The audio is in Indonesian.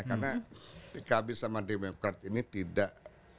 karena pkb sama demokrat ini tidak